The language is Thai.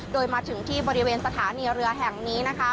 โดยมาถึงที่บริเวณสถานีเรือแห่งนี้นะคะ